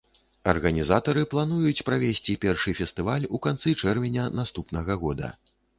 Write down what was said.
Арганізатары плануюць правесці першы фестываль у канцы чэрвеня наступнага года.